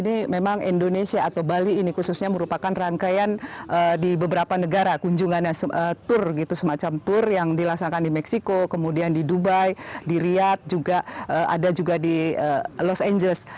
ini memang indonesia atau bali ini khususnya merupakan rangkaian di beberapa negara kunjungannya tour gitu semacam tur yang dilaksanakan di meksiko kemudian di dubai di riyad ada juga di los angeles